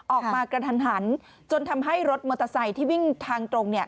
กระทันหันจนทำให้รถมอเตอร์ไซค์ที่วิ่งทางตรงเนี่ย